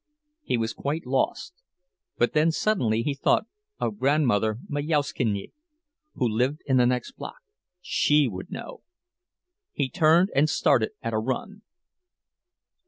He was quite lost—but then suddenly he thought of Grandmother Majauszkiene, who lived in the next block. She would know! He turned and started at a run.